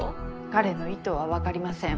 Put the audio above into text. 彼の意図はわかりません。